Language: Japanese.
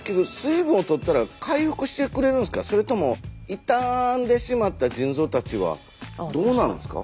それともいたんでしまった腎臓たちはどうなるんですか？